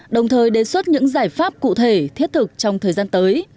đồng thời đề xuất những giải pháp cụ thể thiết thực trong thời gian tới